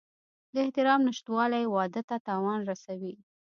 د احترام نشتوالی واده ته تاوان رسوي.